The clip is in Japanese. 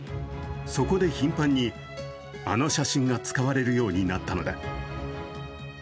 そこで頻繁に、あの写真が使われるようになったのだ。